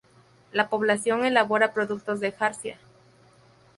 La población elabora productos de jarcia.